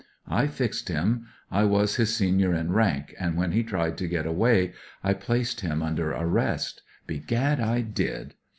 I fixed him. I was his senior in rank, and when he tried to get away I placed him under arrest; begad, I uid.